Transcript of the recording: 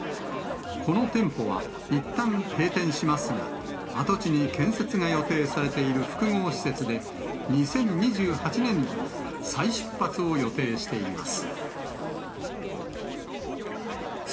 この店舗はいったん閉店しますが、跡地に建設が予定されている複合施設で、２０２８年度に再出発を予定しています。